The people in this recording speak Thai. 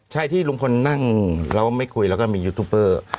ใช่ที่ลุงพลนั่งแล้วไม่คุยแล้วก็มียูทูปเปอร์